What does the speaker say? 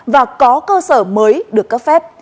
và có cơ sở mới được cấp phép